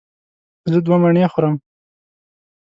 زه دوه مڼې خورم.